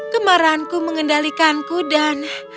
kemaraanku mengendalikanku dan